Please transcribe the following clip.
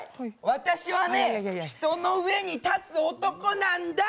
私はね、人の上に立つ男なんだ。